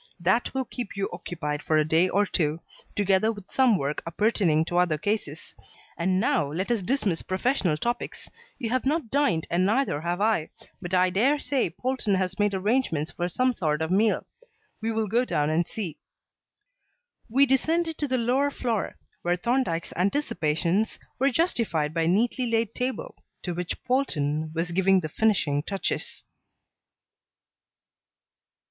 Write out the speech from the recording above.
That will keep you occupied for a day or two, together with some work appertaining to other cases. And now let us dismiss professional topics. You have not dined and neither have I, but I dare say Polton has made arrangements for some sort of meal. We will go down and see." We descended to the lower floor, where Thorndyke's anticipations were justified by a neatly laid table to which Polton was giving the finishing touches.